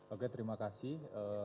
oke terima kasih